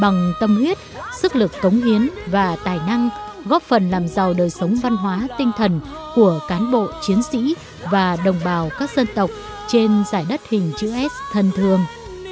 bằng tâm huyết sức lực cống hiến và tài năng góp phần làm giàu đời sống văn hóa tinh thần của cán bộ chiến sĩ và đồng bào các dân tộc trên giải đất hình chữ s thân thương